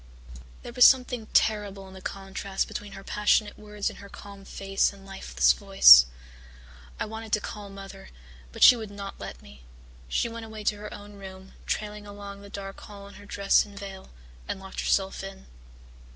"There was something terrible in the contrast between her passionate words and her calm face and lifeless voice. I wanted to call Mother, but she would not let me. She went away to her own room, trailing along the dark hall in her dress and veil, and locked herself in.